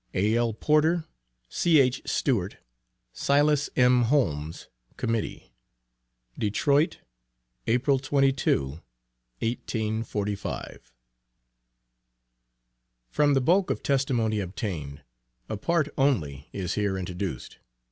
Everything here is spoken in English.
A.L. PORTER, C.H. STEWART, SILAS M. HOLMES. Committee. DETROIT, April 22, 1845. From the bulk of testimony obtained, a part only is here introduced.